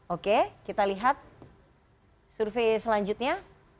oke kita lihat survei selanjutnya